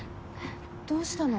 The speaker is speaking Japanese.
どうしたの？